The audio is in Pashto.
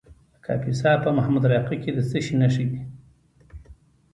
د کاپیسا په محمود راقي کې د څه شي نښې دي؟